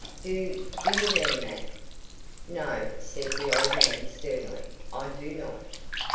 "Do do you mean that?" "No," said the old man, sternly; "I do not."